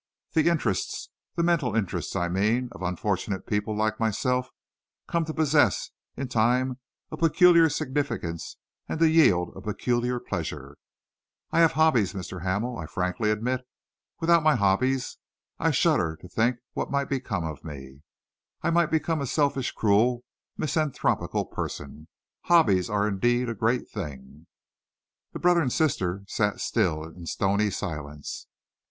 The interests the mental interests, I mean of unfortunate people like myself, come to possess in time a peculiar significance and to yield a peculiar pleasure. I have hobbies, Mr. Hamel. I frankly admit it. Without my hobbies, I shudder to think what might become of me. I might become a selfish, cruel, misanthropical person. Hobbies are indeed a great thing." The brother and sister sat still in stony silence.